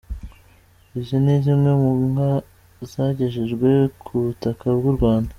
izi ni zimwe mu nka zagejejwe ku butaka bw’u Rwanda.